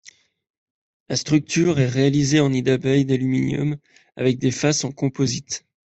La structure est réalisée en nid d'abeilles d'aluminium avec des faces en composite.